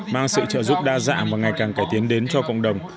mang sự trợ giúp đa dạng và ngày càng cải tiến đến cho cộng đồng